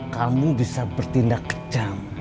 kamu bisa bertindak kejam